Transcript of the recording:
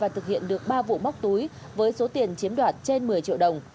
họ đã thực hiện được ba vụ móc túi với số tiền chiếm đoạt trên một mươi triệu đồng